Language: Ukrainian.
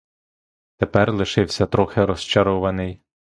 Тепер лишився трохи розчарований.